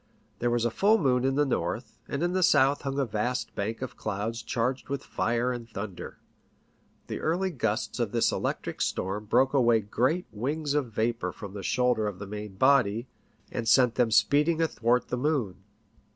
There was a full moon in the north, and in the south hung a vast bank of clouds charged with fire and thunder. The early gusts of this electric storm broke away great wings of vapour from the shoulder of the main body, and sent them speeding athwart the moon.